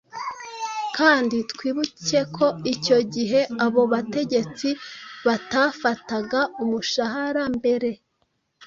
Kandi twibuke ko icyo gihe abo bategetsi batafataga umushahara mbere